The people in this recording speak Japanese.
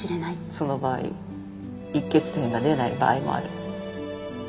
その場合いっ血点が出ない場合もある。